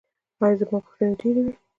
ایا زما پوښتنې ډیرې وې؟